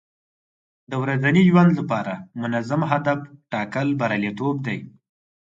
د ورځني ژوند لپاره منظم هدف ټاکل بریالیتوب دی.